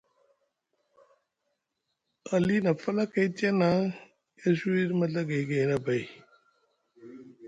Ali na falakay tiyana e sûwiɗi maɵagay gayni abay.